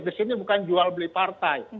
disini bukan jual beli partai